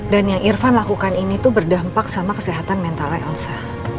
dan yang irfan lakukan ini tuh berdampak sama kesehatan mentalnya elsa